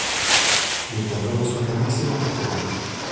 Le tableau reçoit un excellent accueil.